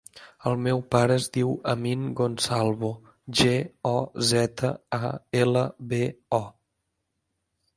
El meu pare es diu Amin Gozalbo: ge, o, zeta, a, ela, be, o.